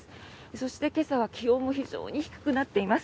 そして、今朝は気温も非常に低くなっています。